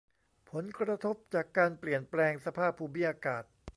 ผลกระทบจากการเปลี่ยนแปลงสภาพภูมิอากาศ